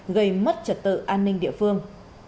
gây mất trật tự an ninh địa phương